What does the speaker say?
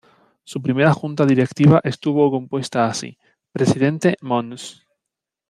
Su primera Junta Directiva estuvo compuesta así: presidente, Mons.